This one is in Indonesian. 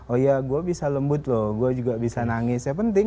oh ya gue bisa lembut loh gue juga bisa nangis ya penting